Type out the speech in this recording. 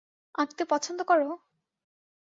আঁকতে পছন্দ করো?